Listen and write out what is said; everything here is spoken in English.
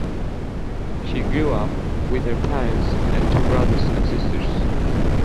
She grew up with her parents and two brothers and sisters.